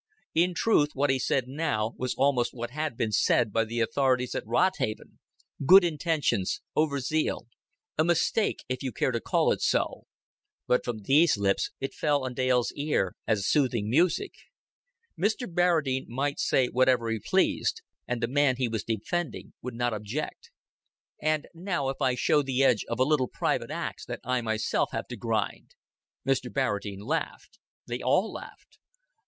In truth what he said now was almost what had been said by the authorities at Rodhaven good intentions, over zeal, a mistake, if you care to call it so; but from these lips it fell on Dale's ear as soothing music. Mr. Barradine might say whatever he pleased: and the man he was defending would not object. "And now if I show the edge of the little private ax that I myself have to grind!" Mr. Barradine laughed. They all laughed.